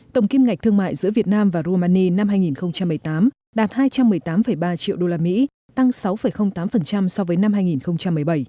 tổng kim ngạch thương mại giữa việt nam và rumani năm hai nghìn một mươi tám đạt hai trăm một mươi tám ba triệu usd tăng sáu tám so với năm hai nghìn một mươi bảy